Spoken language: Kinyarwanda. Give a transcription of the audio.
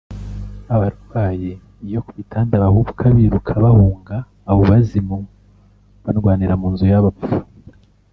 Abarwayi iyo ku bitanda bahubuka biruka bahunga abo bazimu barwanira mu nzu y’abapfu